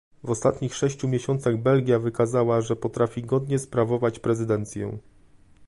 W ostatnich sześciu miesiącach Belgia wykazała, że potrafi godnie sprawować prezydencję